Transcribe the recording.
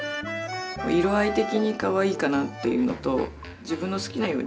色合い的にかわいいかなっていうのと自分の好きなように。